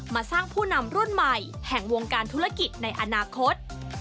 มาสร้างผู้นำรุ่นใหม่แห่งวงการธุรกิจในอนาคต